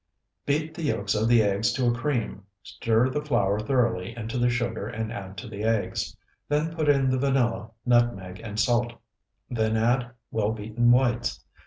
Beat the yolks of the eggs to a cream, stir the flour thoroughly into the sugar, and add to the eggs. Then put in the vanilla, nutmeg, and salt; then add well beaten whites.